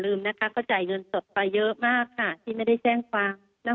ลืมนะคะก็จ่ายเงินสดไปเยอะมากค่ะที่ไม่ได้แจ้งความ